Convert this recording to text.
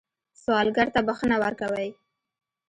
سوالګر ته بښنه ورکوئ